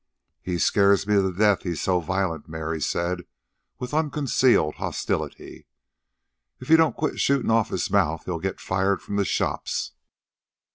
"He scares me to death, he's so violent," Mary said with unconcealed hostility. "If he don't quit shootin' off his mouth he'll get fired from the shops.